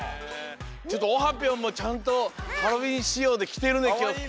ちょっとオハぴょんもちゃんとハロウィーンしようできてるねきょうふく。